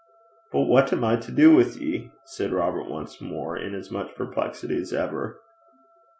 'But what am I to do wi' ye?' said Robert once more, in as much perplexity as ever.